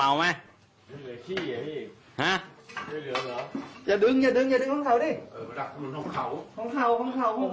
ไม่เหลือขี้อ่ะพี่